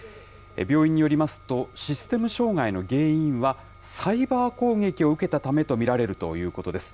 病院によりますと、システム障害の原因は、サイバー攻撃を受けたためと見られるということです。